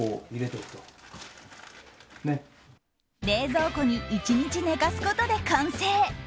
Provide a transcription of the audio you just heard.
冷蔵庫に１日寝かすことで完成。